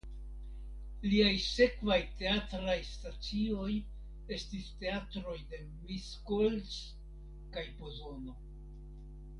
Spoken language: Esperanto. Liaj sekvaj teatraj stacioj estis teatroj de Miskolc kaj Pozono.